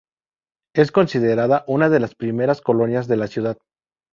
Es considerada una de las primeras colonias de la ciudad.